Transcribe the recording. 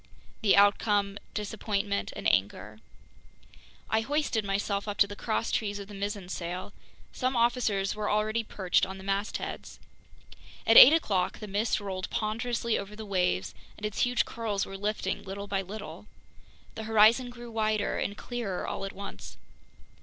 The outcome: disappointment and anger. I hoisted myself up to the crosstrees of the mizzen sail. Some officers were already perched on the mastheads. At eight o'clock the mist rolled ponderously over the waves, and its huge curls were lifting little by little. The horizon grew wider and clearer all at once.